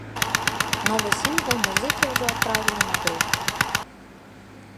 Новы сінгл музыкі ўжо адправілі на друк.